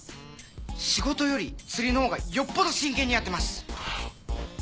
仕事より釣りのほうがよっぽど真剣にやってます！